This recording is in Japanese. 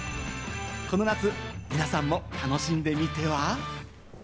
この夏、皆さんも楽しんでみては？